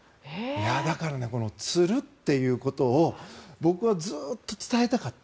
だからこのつるということを僕はずっと伝えたかった。